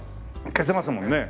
消せますもんね。